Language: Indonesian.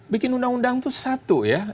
bikin undang undang itu satu ya